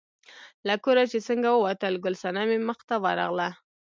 له کوره چې څنګه ووتل، ګل صنمې مخې ته ورغله.